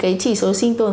thì có bốn chỉ số sinh tồn